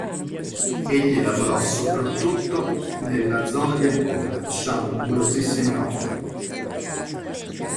Egli lavorò soprattutto nella zona di Ancona lasciando numerosissime opere.